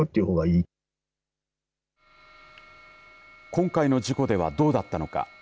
今回の事故ではどうだったのか。